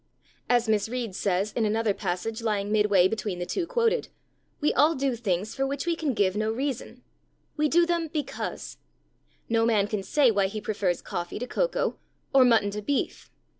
As Miss Reed says in another passage lying midway between the two quoted: 'We all do things for which we can give no reason.' We do them because. No man can say why he prefers coffee to cocoa, or mutton to beef.